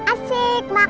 asyik makasih ya pak